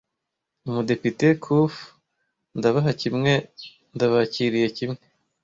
Umudepite, Cuff, ndabaha kimwe, ndabakiriye kimwe.